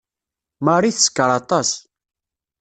Marie teskeṛ aṭas.